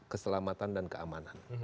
keselamatan dan keamanan